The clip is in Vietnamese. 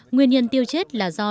nguyên nhân tiêu chết là do